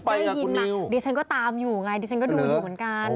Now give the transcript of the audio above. ได้ยินดิฉันก็ตามอยู่ไงดิฉันก็ดูอยู่เหมือนกัน